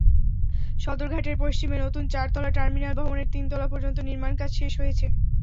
সদরঘাটের পশ্চিমে নতুন চারতলা টার্মিনাল ভবনের তিন তলা পর্যন্ত নির্মাণকাজ শেষ হয়েছে।